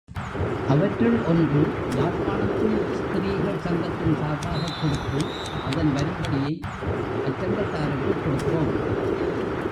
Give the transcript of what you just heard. அவற்றுள் ஒன்று, யாழ்ப்பாணத்து ஸ்திரீகள் சங்கத்தின் சார்பாகக் கொடுத்து அதன் வரும்படியை அச்சங்கத்தாருக்குக் கொடுத்தோம்.